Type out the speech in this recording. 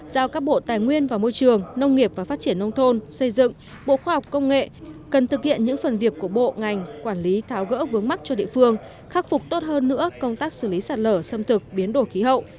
giao các bộ tài nguyên và môi trường nông nghiệp và phát triển nông thôn xây dựng bộ khoa học công nghệ cần thực hiện những phần việc của bộ ngành quản lý tháo gỡ vướng mắt cho địa phương khắc phục tốt hơn nữa công tác xử lý sạt lở xâm thực biến đổi khí hậu